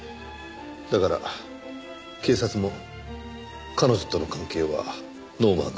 だから警察も彼女との関係はノーマークだった。